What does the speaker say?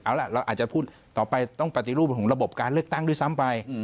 เอาล่ะเราอาจจะพูดต่อไปต้องปฏิรูปของระบบการเลือกตั้งด้วยซ้ำไป